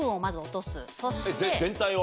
全体を？